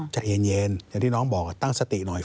เอ็นอย่างที่น้องบอกตั้งสติหน่อย